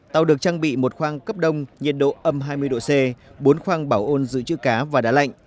tàu được trang bị một khoang cấp đông nhiệt độ âm hai mươi độ c bốn khoang bảo ôn giữ chữ cá và đá lạnh